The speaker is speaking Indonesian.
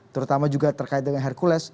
terutama juga terkait dengan hercules